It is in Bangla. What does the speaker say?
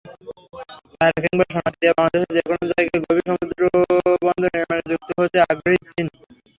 পায়রা কিংবা সোনাদিয়া—বাংলাদেশের যেকোনো জায়গায় গভীর সমুদ্রবন্দর নির্মাণে যুক্ত হতে আগ্রহী চীন।